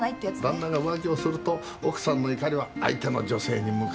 旦那が浮気をすると奥さんの怒りは相手の女性に向かう。